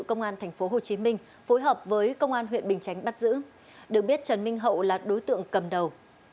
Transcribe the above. công an tp hcm phối hợp với công an huyện bình chánh bắt giữ được biết trần minh hậu là đối tượng cầm đầu